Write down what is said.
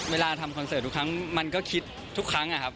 เวลาทำคอนเสิร์ตทุกครั้งมันก็คิดทุกครั้งนะครับ